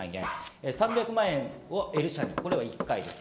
３００万円をＬ社に１回です。